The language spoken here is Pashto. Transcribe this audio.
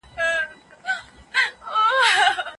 د ماشوم سېلاني مور په کور کي نه وه